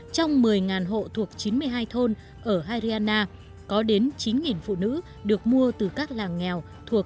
trong một mươi hộ thuộc chín mươi hai thôn ở harriana có đến chín phụ nữ được mua từ các làng nghèo thuộc